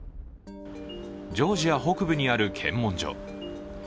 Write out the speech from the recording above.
ジョージア北部にある検問所。